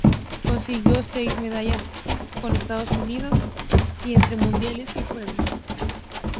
Consiguió seis medallas con Estados Unidos, entre mundiales y Juegos.